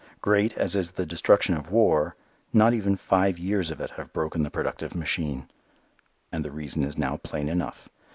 Great as is the destruction of war, not even five years of it have broken the productive machine. And the reason is now plain enough.